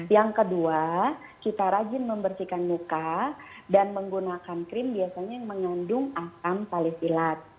yang kedua kita rajin membersihkan muka dan menggunakan krim biasanya yang mengandung asam talisilat